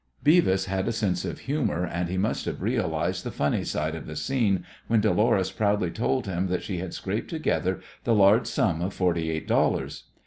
Beavis had a sense of humour, and he must have realized the funny side of the scene when Dolores proudly told him that she had scraped together the large sum of forty eight dollars!